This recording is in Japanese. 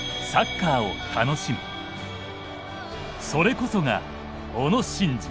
それこそが小野伸二。